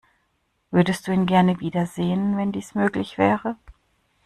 Würdest du ihn gerne wiedersehen, wenn dies möglich wäre?